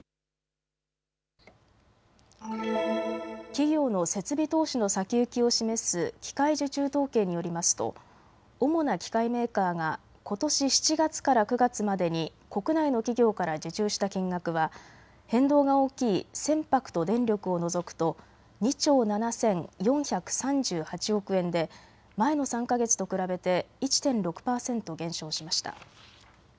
企業の設備投資の先行きを示す機械受注統計によりますと主な機械メーカーがことし７月から９月までに国内の企業から受注した金額は変動が大きい船舶と電力を除くと２兆７４３８億円で前の３か月と比べて１．６％減少しました。